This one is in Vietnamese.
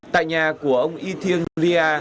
tại nhà của ông y thiên lia